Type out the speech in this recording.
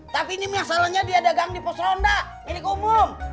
tapi ini masalahnya dia dagang di pos ronda milik umum